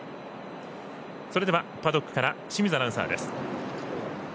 それではパドックから清水アナウンサーです。